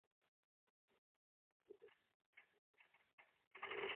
实验心理学已经融入了当今的大多数心理学研究中。